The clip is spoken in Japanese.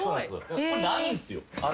これないんすよ。